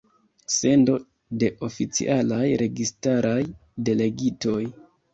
Sendo de oficialaj registaraj delegitoj.